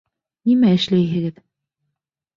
Нимә эшләйһегеҙ?!